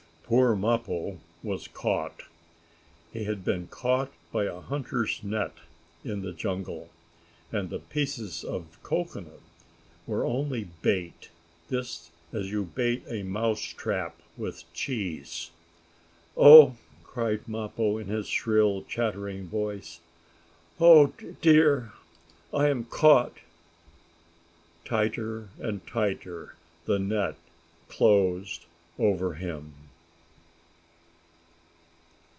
Poor Mappo was caught. He had been caught by a hunter's net in the jungle, and the pieces of cocoanut were only bait, just as you bait a mouse trap with cheese. "Oh!" cried Mappo, in his shrill, chattering voice. "Oh dear! I am caught!" Tighter and tighter the net closed over him.